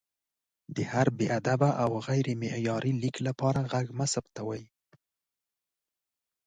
د هر بې ادبه او غیر معیاري لیک لپاره غږ مه ثبتوئ!